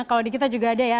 kalau di kita juga ada ya